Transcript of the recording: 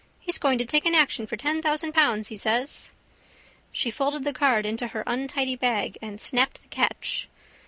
He's going to take an action for ten thousand pounds, he says. She folded the card into her untidy bag and snapped the catch.